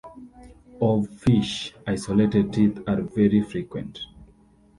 Of fish, isolated teeth are very frequent.